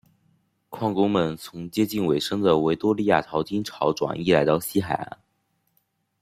矿工们从接近尾声的维多利亚淘金潮转移来到西海岸。